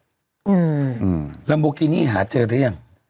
อืมลัมโบกินี่หาเจอหรือยัง